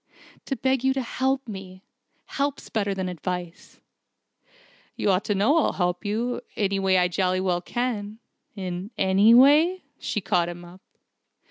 "To beg you to help me. Help's better than advice." "You ought to know I'll help you, in any way I jolly well can " "In any way?" she caught him up.